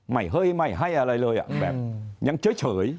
ไหม้เฮ้ยไหม้ให้อะไรเลยอะยังเฉย